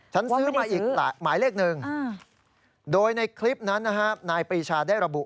ฉันซื้อมาอีกหมายเลขนึงโดยในคลิปนั้นน่าครับนายปีชาได้ระบุ